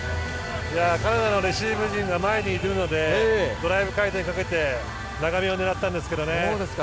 カナダのレシーブ陣が前にいるのでドライブ回転をかけて長めを狙ったんですけどね。